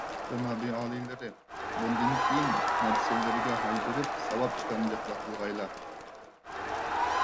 جانابىي ئالىيلىرى، بۇندىن كېيىن نەپسىلىرىگە ھاي بېرىپ ساۋاب ئىشلارنى جىقراق قىلغايلا.